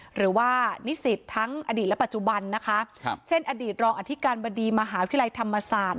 หรือว่านิสิตทั้งอดีตและปัจจุบันนะคะครับเช่นอดีตรองอธิการบดีมหาวิทยาลัยธรรมศาสตร์